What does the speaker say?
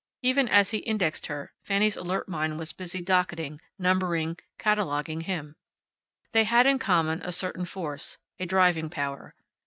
Even as he indexed her, Fanny's alert mind was busy docketing, numbering, cataloguing him. They had in common a certain force, a driving power.